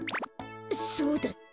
そうだった。